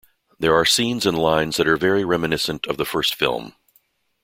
There are scenes and lines that are very reminiscent of the first film.